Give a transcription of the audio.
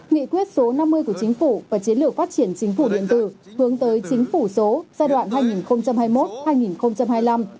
nghị quyết số năm mươi của chính phủ và chiến lược phát triển chính phủ điện tử hướng tới chính phủ số giai đoạn hai nghìn hai mươi một hai nghìn hai mươi năm